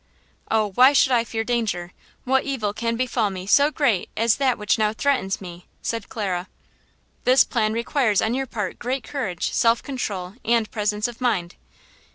"Oh, why should I fear danger? What evil can befall me so great as that which now threatens me?" said Clara. "This plan requires on your part great courage, self control and presence of mind."